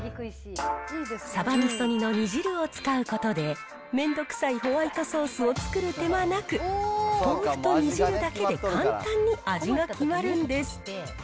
さばみそ煮の煮汁を使うことで、めんどくさいホワイトソースを作る手間なく、豆腐と煮汁だけで簡単に味が決まるんです。